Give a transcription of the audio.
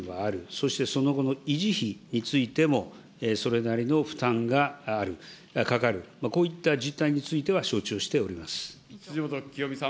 そしてその後の維持費についても、それなりの負担がある、かかる、こういった実態については承知を辻元清美さん。